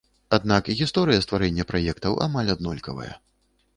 Аднак гісторыя стварэння праектаў амаль аднолькавая.